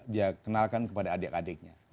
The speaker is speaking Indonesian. dia kenalkan kepada adik adiknya